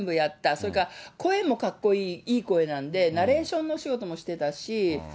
それから声もかっこいい、いい声なんで、ナレーションの仕事もしてたし。